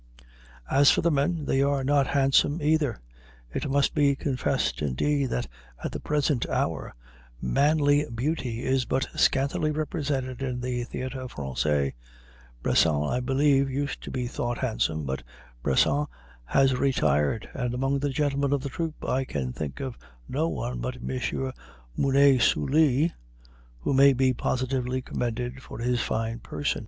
As for the men, they are not handsome either; it must be confessed, indeed, that at the present hour manly beauty is but scantily represented at the Théâtre Français. Bressant, I believe, used to be thought handsome; but Bressant has retired, and among the gentlemen of the troupe I can think of no one but M. Mounet Sully who may be positively commended for his fine person.